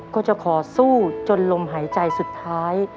ก็จะขอสู้จนลมหายใจสุดท้าย